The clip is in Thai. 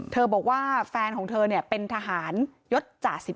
บอกว่าแฟนของเธอเป็นทหารยศจ่า๑๑